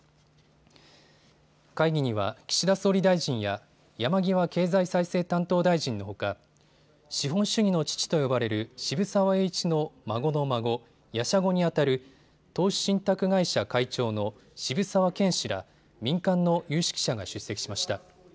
会議には岸田総理大臣や山際経済再生担当大臣のほか資本主義の父と呼ばれる渋沢栄一の孫の孫、やしゃごにあたる投資信託会社会長の渋沢健氏ら民間の有識者が出席しました。